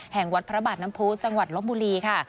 แห่งวัดพระบาทน้ำพูจังหวัดลบบุรีค่ะ